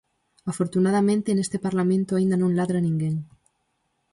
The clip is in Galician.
Afortunadamente, neste parlamento aínda non ladra ninguén.